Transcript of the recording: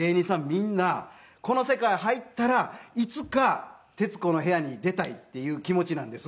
みんなこの世界入ったらいつか『徹子の部屋』に出たいっていう気持ちなんです。